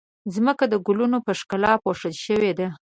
ځمکه د ګلونو په ښکلا پوښل شوې ده.